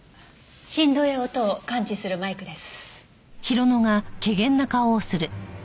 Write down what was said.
振動や音を感知するマイクです。